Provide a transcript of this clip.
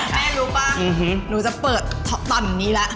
แม่รู้ป่ะหนูจะเปิดตอนนี้แล้ว